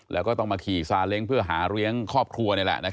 และก็ต้องมาขี่ซาเล้งเพื่อหาเลี้ยงครอบครัว